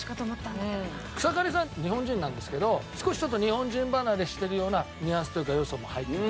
草刈さん日本人なんですけど少し日本人離れしてるようなニュアンスというか要素も入ってて。